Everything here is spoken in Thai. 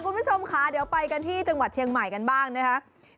คุณผู้ชมค่ะเดี๋ยวไปกันที่จังหวัดเชียงใหม่กันบ้างนะครับ